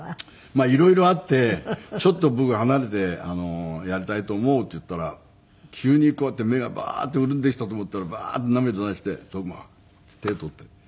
まあいろいろあって「ちょっと僕離れてやりたいと思う」って言ったら急にこうやって目がバーッて潤んできたと思ったらバーッと涙出して「馬」って手取って。